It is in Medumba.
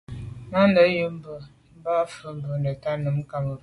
À nɑ̀’ yǎ cûp bú mbə̌ bū fâ’ bû nə̀tɑ́ nǔm Cameroun.